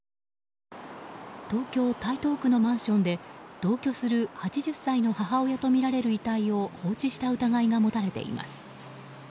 東京・台東区のマンションで同居する８０歳の母親とみられる遺体を放置した疑いが持たれています。